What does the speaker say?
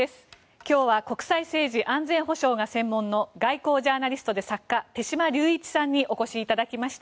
今日は国際政治、安全保障が専門の外交ジャーナリストで作家手嶋龍一さんにお越しいただきました。